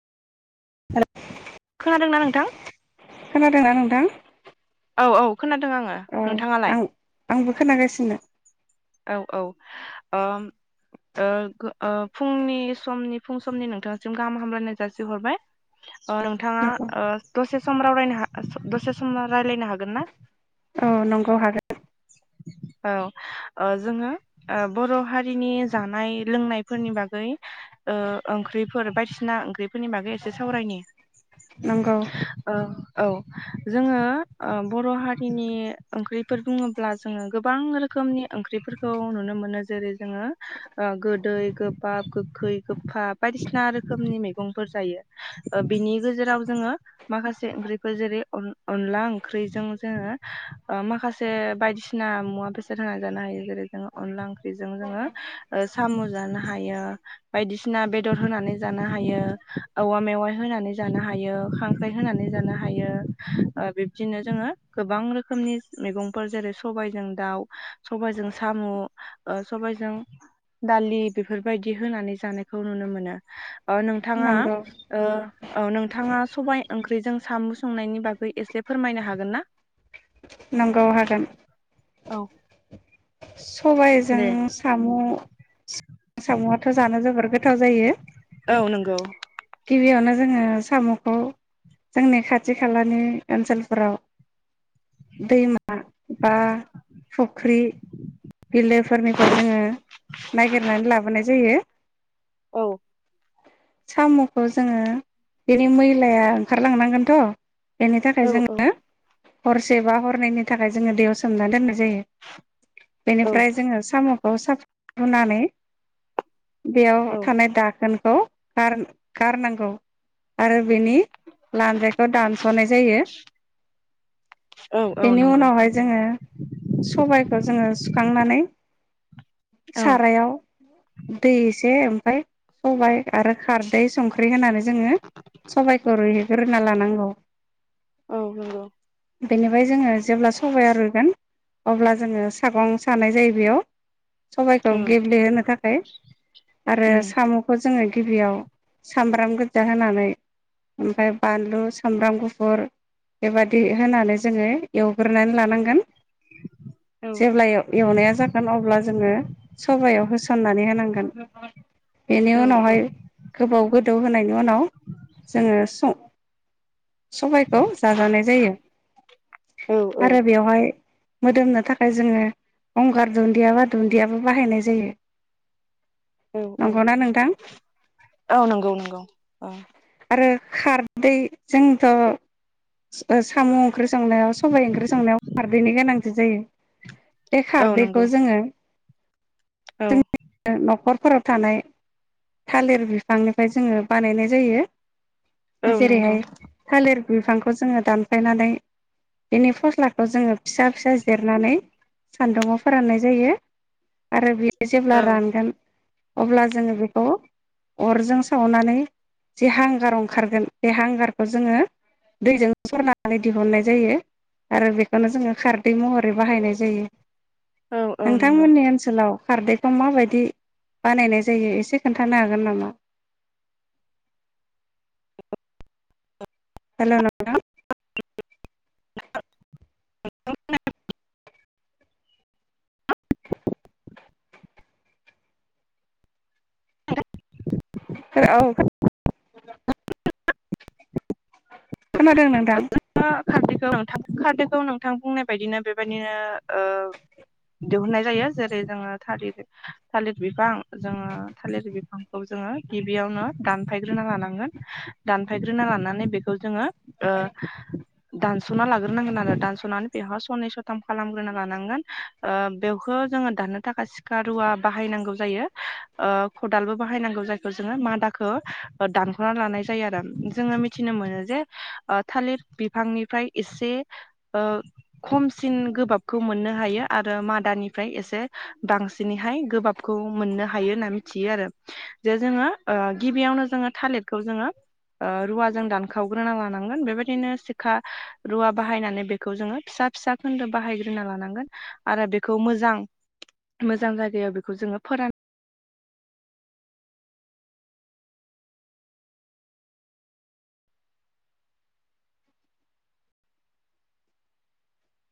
हेल'। खोनादों ना नोंथां? खोनादों ना नोंथां? औ औ। खोनादों आङो औ आं नोंथाङालाय? आंबो खोनागासिनो औ औ ओम ओ फुंनि समनि फुंसमनि नोंथांनिसिम गाहाम हामलायनाय जासिहरबाय। ओ नोंथाङा नंगौ ओ दसे सम रायलावनो दसे सम रायलायनो हागोन ना? औ नंगौ हागोन। औ ओ जोङो ओ बर' हारिनि जानाय लोंनायफोरनि बागै ओ ओंख्रिफोर बायदिसिना ओंख्रिफोरनि बागै एसे सावरायनि। नंगौ। औ औ जोङो ओ बर' हारिनि ओंख्रिफोर बुङो ब्ला जोङो गोबां रोखोमनि ओंख्रिफोरखौ नुनो मोनो। जेरै जोङो गोदै, गोबाब, गोखै, गोफा बायदिसिना रोखोमनि मैगंफोर जायो। ओ बिनि गेजेराव जोङो माखासे ओंख्रिफोर जेरै अन-अनला ओंख्रिजों जोङो ओ माखासे बायदिसिना मुवा बेसाद होनानै जानो हायो। जेरै जोङो अनला ओंख्रिजों जोङो ओ साम' जानो हायो, बायदिसिना बेदर होनानै जानो हायो, औवा मेवाइ होनानै जानो हायो, खांख्राइ होनानै जानो हायो, ओ बिब्दिनो जोङो गोबां रोखोमनि मैगंफोर जेरै सबायजों दाउ, सबायजों साम', सबायजों दालि, बेफोरबायदि होनानै जानायखौ नुनो मोनो। नोंथाङा नंगौ ओ औ नोंथाङा सबाइ ओंख्रिजों साम' संनायनि बागै एसे फोरमायनो हागोन ना? नंगौ हागोन। औ। सबायजों दे साम' साम'आथ' जानो जोबोर गो थाव जायो। औ नंगौ। गिबियावनो जोङो साम'खौ जोंनि खाथि खालानि ओनसोलफोराव दैमा बा फुख्रि बिलोफोरनिफ्राय जोङो नागिरनानै लाबोनाय जायो। औ सामु खौ जोङो बेनि मैलाया ओंखारलांनांगोनथ' बेनि थाखाय औ औ जोङो हरसे बा हरनैनि थाखाय जोङो दैयाव सोमना दोननाय जायो। औ बेनिफ्राय जोङो साम' खौ साफा हुनानै बेयाव औ। थानाय दाखोन खौ गार गारनांगौ आरो बेनि लानजायखौ दानस'नाय जायो। औ औ बेनि नंगौ उनावहाय जोङो सबायखौ जोङो सुखांनानै औ। सारायाव दै इ से ओमफ्राय सबाय आरो खार दै संख्रि होनानै जोङो सबायखौ रुइहोग्रोना लानांगौ। औ नंगौ। बेनिफ्राय जोङो जेब्ला सबाया रुयगोन अब्ला जोङो सागं सानाय जायो बेयाव। सबायखौ औ गेब्लेहोनो थाखाय आरो उम साम'खौ जोङो गिबियाव सामब्राम गोजा होनानै ओमफ्राय बानलु सामब्राम गुफुर बेबादि होनानै जोङो एवग्रोनानै लानांगोन। औ जेब्ला एवनाया जागोन अब्ला जोङो सबायाव होसन सननानै होनांगोन। बेनियाव औ। उनावहाय गोदौ होनाय यनि उनाव जोङो सं सबायखौ जाजानाय जायो औ आरो बेवहाय मोदोमनो थाखाय जोङो गंगार दुन्दिया बा दुन्दियाबो बाहायनाय जायो। औ औ। नंगौना नोंथां? औ नंगौ नंगौ औ आरो खारदै जोंथ' साम' ओंख्रि संनायाव सबाय ओंख्रि संनायाव खारदैनि गोनांथि जायो बे औ नंगौ खारदैखौ जोङो औ जोंनि न'खर फोराव थानाय थालिर बि फांनिफ्राय जोङो बानायनाय औ जायो नंगौ जेरैहाय थालिर बिफांखौ जोङो दानफायनानै बिनि फस्लाखौ जोङो फिसा फिसा जिरनानै सान्दुंआव फोराननाय जायो आरो बे जेब्ला औ। रानगोन अब्ला जोङो बेखौ अरजों सावनानै जे हांगार ओंखारगोन बे हांगारखौ जोङो दैजों सरनानै दिहुननाय जायो आरो बेखौनो जोङो खारदै महरै बाहायनाय जायो औ औ नंगौ नोंथांमोननि ओनसोलाव खारदैखौ माबायदि बानायनाय जायो एसे खोन्थानो हागो । हागोन नामा? हेल' नोंथां ऐड ओड हो औ खो खोनादों नोंथां खारदैखौ खारदैखौ नोंथां बुंनाय बायदिनो बेबायदिनो ओ दिहुननाय जायो। जेरै जोङो थालिर थालिर बिफां जोङो थालिर बिफांखौ जोङो गिबियावनो दानफायग्रोना लानांगोन दानफायग्रोनालानानै बेखौ जोङो ओ दान सना लाग्रोनांगोन आरो दानस'नानै बेहा सनै स सथाम खालामग्रोना लानांगोन बेखौ जोङो दाननो थाखाय सिखा रुवा बाहायनांगौ जायो ओ खदालबो बाहायनांगौ जायखौ जोङो मादाखो दानख्ला'ना लानाय जायो आरो जोङो मिथिनो मोनो जे ओ थालिर बिफांनिफ्राय ईसे खमसिन गोबाबखौ मोननो हायो, आरो मादानिफ्राय एसे बांसिनैहाय गोबाबखौ मोननो हायो होनना मिथियो आरो जे जोङो गिबियावनो जोङो थालिरखौ जोङो रुवाजों दानखावग्रोना लानांगोन बेबायदि दिनो सिखा रुवा बाहायनानै बेखौ जोङो फिसा फिसा खोन्दो बाहायग्रोना लानांगोन, आरो बेखौ मोजां-मोजां जायगायाव बेखौ जोङो फोरान!